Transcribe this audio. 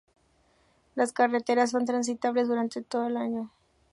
Las carreteras son transitables durante todo el año.